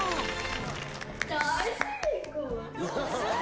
大成功！